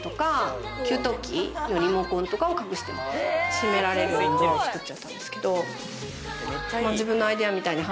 閉められるようにドア作っちゃったんですけど。